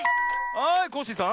はいコッシーさん。